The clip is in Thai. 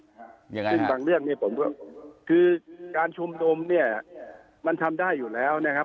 ยังไงซึ่งบางเรื่องเนี่ยผมก็คือการชุมนุมเนี่ยมันทำได้อยู่แล้วนะครับ